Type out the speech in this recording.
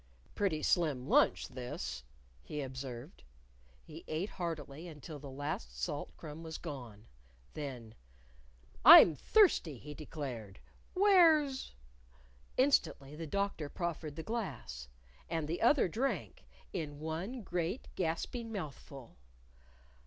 "Pretty slim lunch this," he observed. He ate heartily, until the last salt crumb was gone. Then, "I'm thirsty," he declared "Where's ?" Instantly the Doctor proffered the glass. And the other drank in one great gasping mouthful.